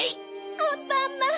アンパンマン！